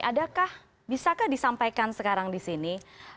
adakah bisakah disampaikan sekarang di sini